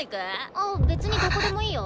あっ別にどこでもいいよ。